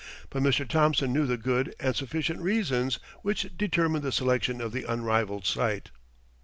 But Mr. Thomson knew the good and sufficient reasons which determined the selection of the unrivaled site.